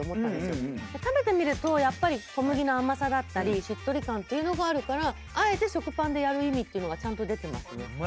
食べてみるとやっぱり小麦の甘さだったりしっとり感っていうのがあるからあえて食パンでやる意味がちゃんと出てますね。